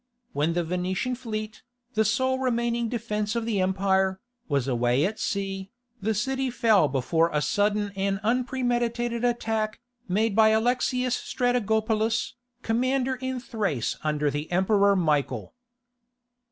When the Venetian fleet, the sole remaining defence of the empire, was away at sea, the city fell before a sudden and unpremeditated attack, made by Alexius Strategopulus, commander in Thrace under the emperor Michael.